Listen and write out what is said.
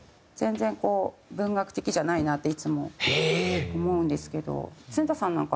全然こう文学的じゃないなっていつも思うんですけど。